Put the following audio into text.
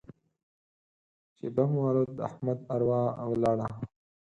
چې بم والوت؛ د احمد اروا ولاړه.